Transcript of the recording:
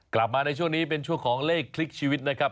กลับมาในช่วงนี้เป็นช่วงของเลขคลิกชีวิตนะครับ